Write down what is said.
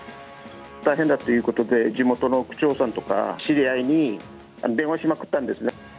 大変だっていうことで、地元の区長さんとか知り合いに電話しまくったんですね。